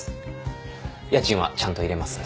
家賃はちゃんと入れますんで。